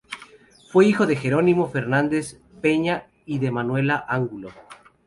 Fue hijo de Jerónimo Fernández Peña y de Manuela Angulo.